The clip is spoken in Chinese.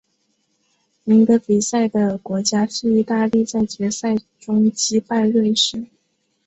赢得比赛的国家是意大利在决赛中击败瑞士。